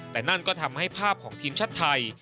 แต่นั่นก็ทำให้ภาพของทีมชาติไทย